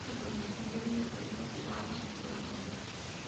A continuación Bridget, le pregunta si va a mantener la moneda.